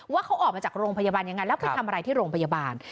ว่าเขาออกมาจากโรงพยาบาลยังไงแล้วไปทำอะไรที่โรงพยาบาล